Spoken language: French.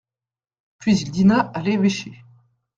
Puis il dîna à l'évêché.